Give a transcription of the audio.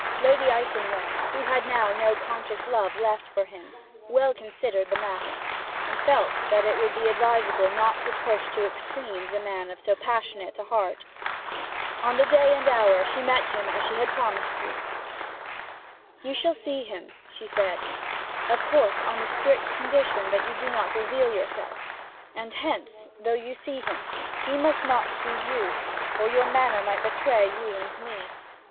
Lady Icenway, who had now no conscious love left for him, well considered the matter, and felt that it would be advisable not to push to extremes a man of so passionate a heart. On the day and hour she met him as she had promised to do. 'You shall see him,' she said, 'of course on the strict condition that you do not reveal yourself, and hence, though you see him, he must not see you, or your manner might betray you and me.